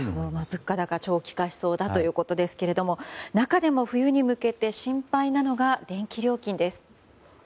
物価高は長期化しそうだということですが中でも、冬に向けて心配なのが電気料金です。